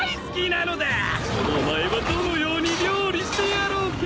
お前はどのように料理してやろうか。